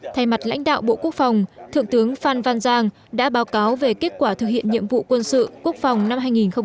thay mặt lãnh đạo bộ quốc phòng thượng tướng phan văn giang đã báo cáo về kết quả thực hiện nhiệm vụ quân sự quốc phòng năm hai nghìn một mươi tám